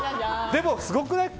でも、すごくない？